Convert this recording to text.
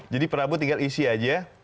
jadi prabu tinggal isi saja